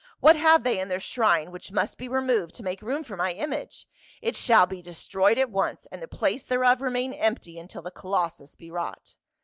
What have they in their shrine which must be removed to make room for my image ? It shall be destroyed at once, and the place thereof remain empty until the colossus be wrought."